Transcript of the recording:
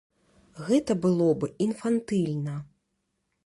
Гэта было б інфантыльна.